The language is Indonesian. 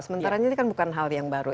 sementara ini kan bukan hal yang baru